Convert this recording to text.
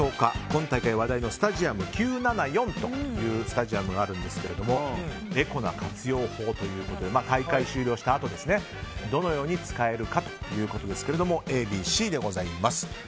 今大会のスタジアム９７４というスタジアムがあるんですがエコな活用法ということで大会が終了したあとどのように使えるかということですがＡ、Ｂ、Ｃでございます。